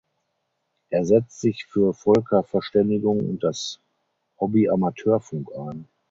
Er setzt sich für Völkerverständigung und das Hobby Amateurfunk ein.